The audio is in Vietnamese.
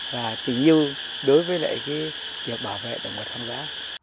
và tỉ nhiêu đối với việc bảo vệ động vật hoang dã